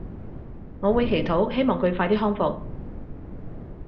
我會祈禱希望佢快啲康復